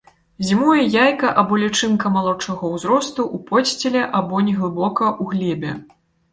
Зімуе яйка або лічынка малодшага ўзросту ў подсціле або неглыбока ў глебе.